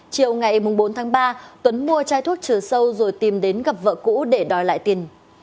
chiều ngày bốn tháng ba tuấn mua chai thuốc trừ sâu rồi tìm đến gặp vợ cũ để đòi lại tiền